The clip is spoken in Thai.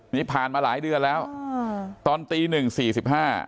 นี่ผ่านมาหลายเดือนแล้วอืมตอนตีหนึ่งสี่สิบห้า